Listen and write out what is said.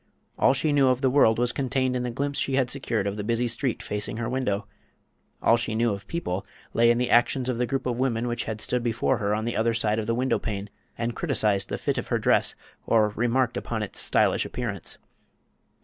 All she knew of the world was contained in the glimpse she had secured of the busy street facing her window; all she knew of people lay in the actions of the group of women which had stood before her on the other side of the window pane and criticised the fit of her dress or remarked upon its stylish appearance.